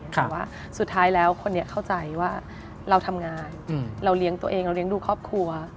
แต่ว่าสุดท้ายแล้วคนนี้เข้าใจว่าเราทำงานเราเลี้ยงตัวเองเราเลี้ยงดูครอบครัว